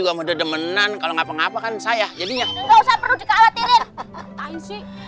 juga mudah demenan kalau ngapa ngapa kan saya jadinya nggak usah perlu dikhawatirin